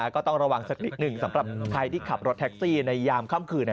ก็ต้องระวังสักนิดหนึ่งสำหรับใครที่ขับรถแท็กซี่ในยามค่ำคืน